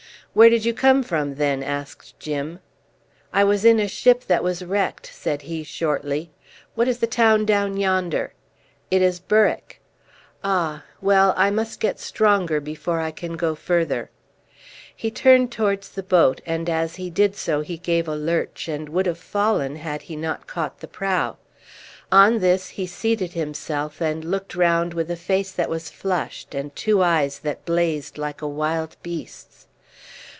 "Where did you come from then?" asked Jim. "I was in a ship that was wrecked," said he shortly. "What is the town down yonder?" "It is Berwick." "Ah! well, I must get stronger before I can go further." He turned towards the boat, and as he did so he gave a lurch, and would have fallen had he not caught the prow. On this he seated himself and looked round with a face that was flushed, and two eyes that blazed like a wild beast's.